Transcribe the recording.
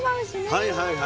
はいはいはいはい。